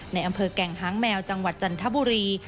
ในอำเภอแก่งหางแมวจังหวัดจันทบุรี